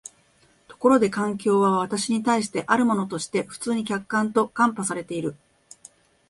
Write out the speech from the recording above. ところで環境は私に対してあるものとして普通に客観と看做されている。